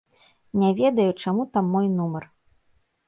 Не ведаю, чаму там мой нумар.